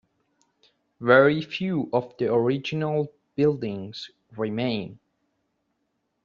Very few of the original buildings remain.